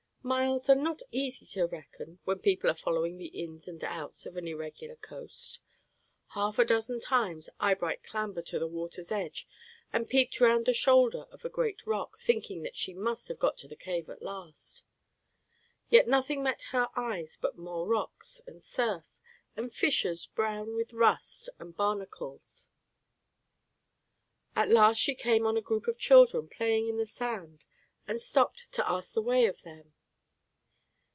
Miles are not easy to reckon when people are following the ins and outs of an irregular coast. Half a dozen times Eyebright clambered to the water's edge and peeped round the shoulder of a great rock, thinking that she must have got to the cave at last. Yet nothing met her eyes but more rocks, and surf, and fissures brown with rust and barnacles. At last, she came on a group of children, playing in the sand, and stopped to ask the way of them.